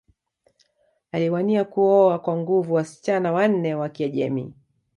Aliwania kuoa kwa nguvu wasichana wanne wa Kiajemi